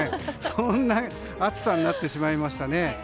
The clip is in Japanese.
そんな暑さになってしまいましたね。